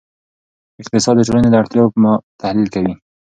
اقتصاد د ټولنې د اړتیاوو تحلیل کوي.